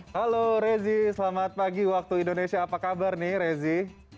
halo rezi selamat pagi waktu indonesia apa kabar nih rezi